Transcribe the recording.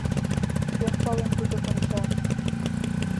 Кӧн пелен тудо конча?